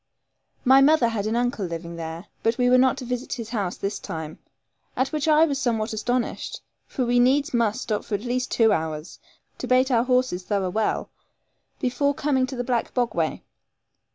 My mother had an uncle living there, but we were not to visit his house this time, at which I was somewhat astonished, since we needs must stop for at least two hours, to bait our horses thorough well, before coming to the black bogway.